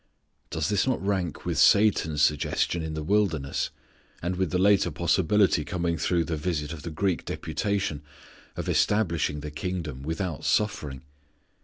Does this not rank with Satan's suggestion in the wilderness, and with the later possibility coming through the visit of the Greek deputation, of establishing the kingdom without suffering?